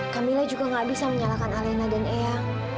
kamilah juga gak bisa menyalahkan alina dan ea